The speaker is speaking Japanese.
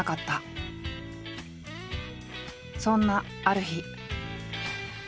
そんなある日。